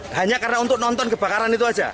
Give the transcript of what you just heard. hanya karena untuk nonton kebakaran itu saja